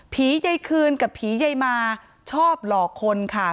ยายคืนกับผียายมาชอบหลอกคนค่ะ